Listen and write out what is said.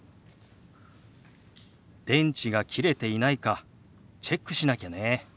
電池が切れていないかチェックしなきゃね。